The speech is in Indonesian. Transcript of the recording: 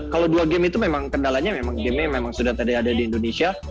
kalau dua game itu memang kendalanya memang gamenya memang sudah tadi ada di indonesia